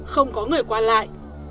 không có người qua lại